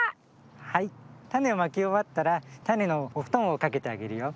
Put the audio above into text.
はいたねをまきおわったらたねのおふとんをかけてあげるよ。